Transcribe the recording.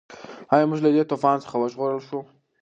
ایا موږ له دې طوفان څخه وژغورل شوو؟